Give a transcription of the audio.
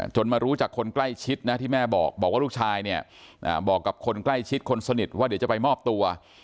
มารู้จากคนใกล้ชิดนะที่แม่บอกบอกว่าลูกชายเนี่ยบอกกับคนใกล้ชิดคนสนิทว่าเดี๋ยวจะไปมอบตัว